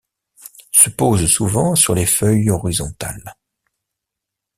Se posent souvent sur les feuilles horizontales.